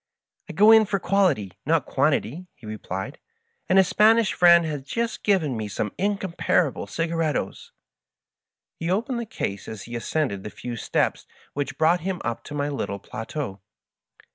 "I go in for quality, not quantity," he replied; "and a Spanish friend has just given me some incom parable dgarritos.^^ He opened the case as he ascended the few steps which brought him up to my little plateau.